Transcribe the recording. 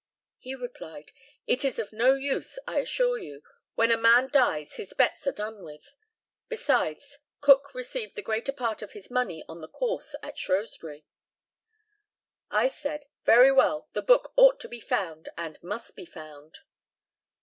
He replied, "It is of no use, I assure you. When a man dies his bets are done with. Besides, Cook received the greater part of his money on the course at Shrewsbury." I said, "Very well, the book ought to be found, and must be found."